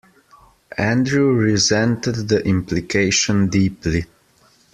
Andrew resented the implication deeply.